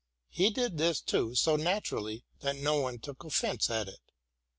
He did this, too, so naturally, that no one took offence at it.